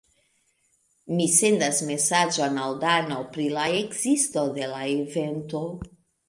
Mi sendas mesaĝon al Dano pri la ekzisto de la evento.